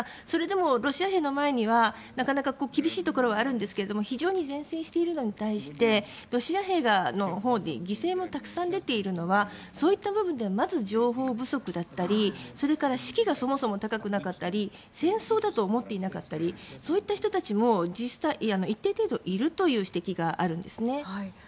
それでもロシア兵の前にはなかなか厳しいところはあるんですけど非常に善戦しているのに対してロシア兵のほうに犠牲もたくさん出ているのはそういった部分ではまず情報不足だったりそれから士気がそもそも高くなかったり戦争だと思っていなかったりそういった人たちも実際、一定程度いるという指摘があるんですね。